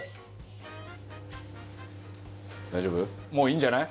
もういいんじゃない？